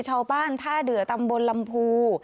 ชาวบ้านท่าเดือตำบลลำพู